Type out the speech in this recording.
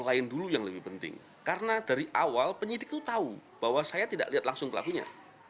lain dulu yang lebih penting karena dari awal penyidik itu tahu bahwa saya tidak lihat langsung pelakunya